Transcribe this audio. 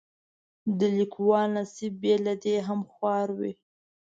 د لیکوالو نصیب بې له دې هم خوار وي.